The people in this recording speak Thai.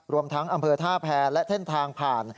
รวมทั้งอำเภอท่าแพรและเส้นทางผ่าน